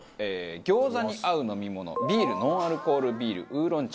餃子に合う飲み物ビールノンアルコールビールウーロン茶